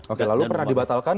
oke lalu pernah dibatalkan